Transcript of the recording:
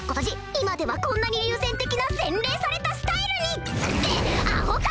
今ではこんなに流線的な洗練されたスタイルに！ってアホか！